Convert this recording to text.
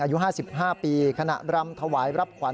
อายุ๕๕ปีขณะรำถวายรับขวัญ